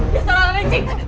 ya salah lo minci